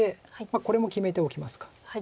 これも決めておきますか。